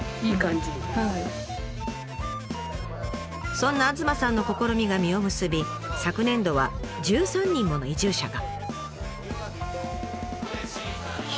そんな東さんの試みが実を結び昨年度は１３人もの移住者が。